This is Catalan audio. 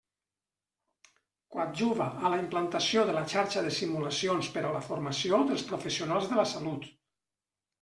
Coadjuva a la implantació de la xarxa de simulacions per a la formació dels professionals de la salut.